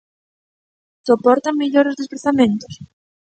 ¿Soportan mellor os desprazamentos?